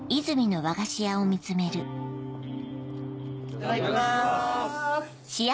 ・いただきます